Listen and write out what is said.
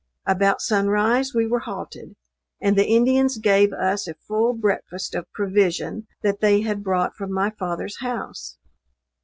About sunrise we were halted, and the Indians gave us a full breakfast of provision that they had brought from my father's house.